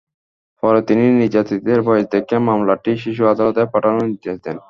পরে তিনি নির্যাতিতদের বয়স দেখে মামলাটি শিশু আদালতে পাঠানোর নির্দেশ দেন।